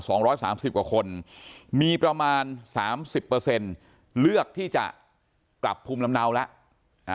สองร้อยสามสิบกว่าคนมีประมาณสามสิบเปอร์เซ็นต์เลือกที่จะกลับภูมิลำเนาแล้วอ่า